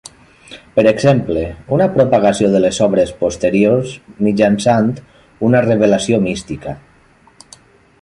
Per exemple, una propagació de les obres posteriors mitjançant una revelació mística.